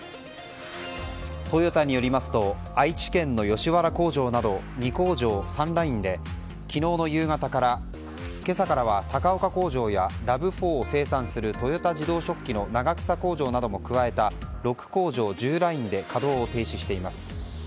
トヨタによりますと愛知県の吉原工場など２工場３ラインで昨日の夕方から今朝からは高岡工場はＲＡＶ４を製造するトヨタ自動織機の長草工場も加えた６工場１０ラインで稼働を停止しています。